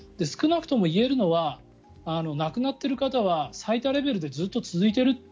少なくとも言えるのは亡くなっている人は最多レベルでずっと続いている。